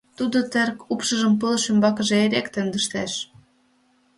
тудо теркупшыжым пылыш ӱмбакыже эреак темдыштеш.